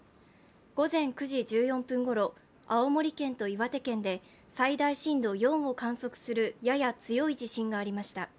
午前９時１４分ごろ、青森県と岩手県で最大震度４を観測するやや強い地震がありました。